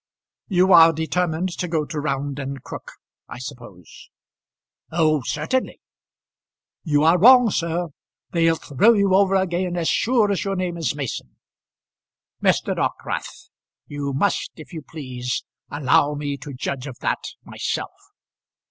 "You are determined to go to Round and Crook, I suppose?" "Oh, certainly." "You are wrong, sir. They'll throw you over again as sure as your name is Mason." "Mr. Dockwrath, you must if you please allow me to judge of that myself."